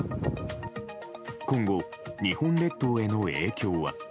今後、日本列島への影響は？